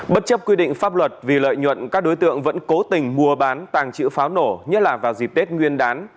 bất chấp quy định pháp luật vì lợi nhuận các đối tượng vẫn cố tình mua bán tàng trữ pháo nổ nhất là vào dịp tết nguyên đán